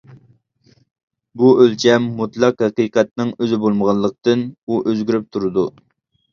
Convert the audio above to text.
بۇ ئۆلچەم مۇتلەق ھەقىقەتنىڭ ئۆزى بولمىغانلىقتىن، ئۇ ئۆزگىرىپ تۇرىدۇ.